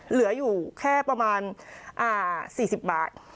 เหลืออยู่แค่ประมาณ๔๐บาท